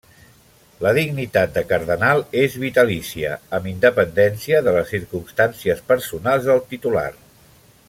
La dignitat de cardenal és vitalícia, amb independència de les circumstàncies personals del titular.